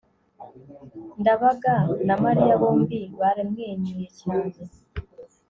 ndabaga na mariya bombi baramwenyuye cyane